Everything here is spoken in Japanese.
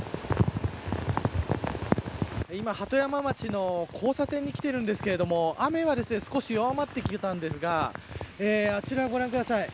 今、鳩山町の交差点に来ているんですが雨は少し弱まってきたんですがあちらご覧ください。